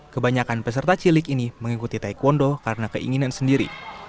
kebanyakan peserta cilik ini mengikuti taekwondo karena keinginan sendiri